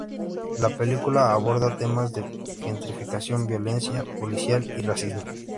La película aborda temas de gentrificación, violencia policial y racismo.